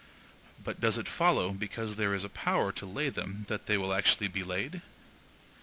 But does it follow because there is a power to lay them that they will actually be laid?